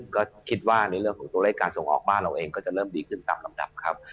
ก็คิดว่าในเรื่องของตัวเลขการส่งออกบ้านเราเองก็จะเริ่มดีขึ้นตามลำดับครับ